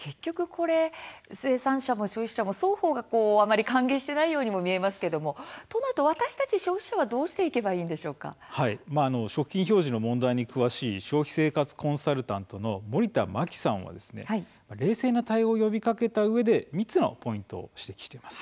生産者も消費者も双方があまり歓迎していないように見えますけど消費者はどうしていけば食品表示の問題に詳しい消費生活コンサルタントの森田満樹さんは冷静な対応を呼びかけたうえで３つのポイントを指摘しています。